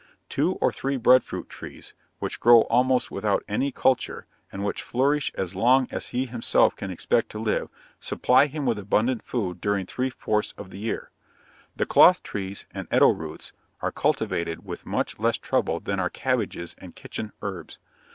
Two or three bread fruit trees, which grow almost without any culture, and which flourish as long as he himself can expect to live, supply him with abundant food during three fourths of the year. The cloth trees and eddo roots are cultivated with much less trouble than our cabbages and kitchen herbs.